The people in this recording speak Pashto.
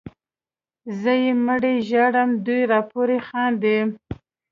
زه یې مړی ژاړم دوی راپورې خاندي